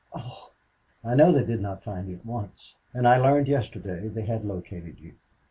Oh!" "I know they did not find you at once. And I learned yesterday they had located you.